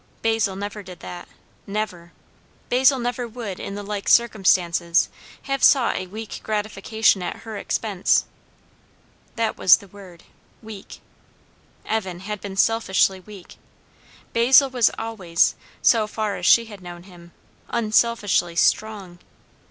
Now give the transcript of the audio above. Basil never did that, never. Basil never would in the like circumstances have sought a weak gratification at her expense. That was the word; weak. Evan had been selfishly weak. Basil was always, so far as she had known him, unselfishly strong.